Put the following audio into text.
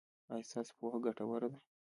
ایا ستاسو پوهه ګټوره ده؟